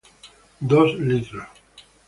dos litro